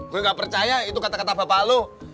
gue gak percaya itu kata kata bapak lu